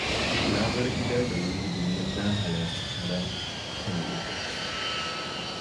Na bar gida da wuri domin na halarci taron kan lokaci.